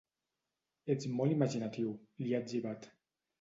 Ets molt imaginatiu, li ha etzibat.